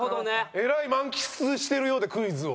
えらい満喫してるようでクイズを。